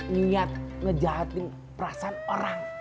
niat ngejahatin perasaan orang